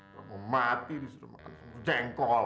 gue mau mati disuruh makan semur jengkol